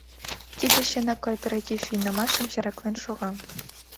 Тиде, чынак, кооператив вийнымашым чараклен шога.